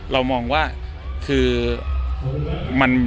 เรามองว่า